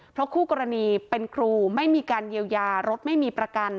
เพราะคู่กรณีเป็นครูไม่มีการเยียวยารถไม่มีประกัน